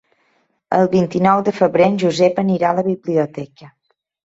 El vint-i-nou de febrer en Josep anirà a la biblioteca.